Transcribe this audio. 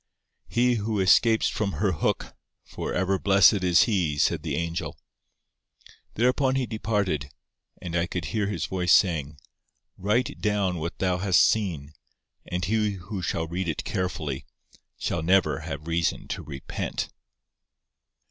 "He who escapes from her hook, for ever blessed is he," said the angel. Thereupon he departed, and I could hear his voice saying, "Write down what thou hast seen, and he who shall read it carefully, shall never have reason to repent."